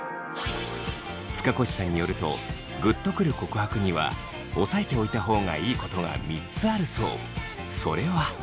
塚越さんによるとグッとくる告白には押さえておいた方がいいことは３つあるそう。